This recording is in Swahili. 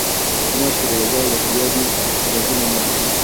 kama sherehe zao za kijadi za kila mwaka